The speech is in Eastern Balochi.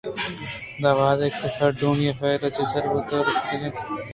پدا وہدےکہ سارڈونی ءِ فائل چہ سر بر ے دورا تکگیں کاگد covering letter ءَاتک منی دیم ءَ کپت